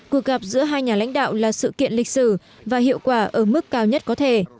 cuộc gặp giữa hai nhà lãnh đạo là sự kiện lịch sử và hiệu quả ở mức cao nhất có thể